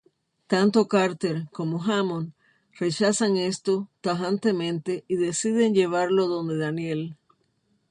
Tanto Carter como Hammond rechazan esto tajantemente, y deciden llevarlo donde Daniel.